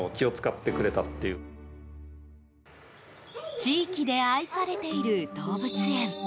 地域で愛されている動物園。